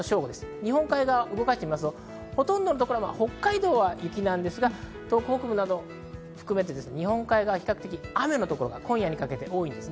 日本海側を動かしてみますと、北海道は雪なんですが、東北北部などを含めて日本海側は比較的雨の所が多いです。